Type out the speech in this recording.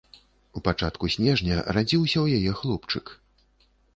У пачатку снежня радзіўся ў яе хлопчык.